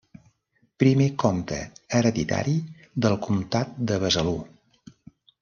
Primer comte hereditari del comtat de Besalú.